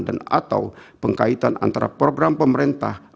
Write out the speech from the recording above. dan atau pengkaitan antara program pemerintah atau negara dengan kepentingan pribadi